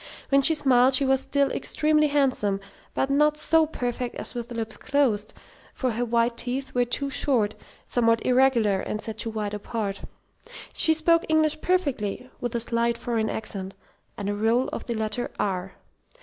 When she smiled she was still extremely handsome, but not so perfect as with lips closed, for her white teeth were too short, somewhat irregular, and set too wide apart. She spoke English perfectly, with a slight foreign accent and a roll of the letter "r."